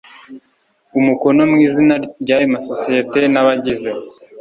umukono mu izina ryayo masosiyete n abagize